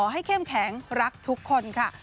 เข้มแข็งรักทุกคนค่ะ